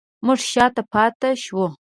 موږ شاته پاتې شوو